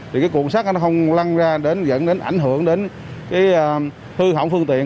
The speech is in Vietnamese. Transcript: thì cái cuộn sắt nó không lăn ra đến dẫn đến ảnh hưởng đến cái hư hỏng phương tiện